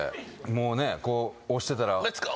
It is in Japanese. もうねこう押してたら。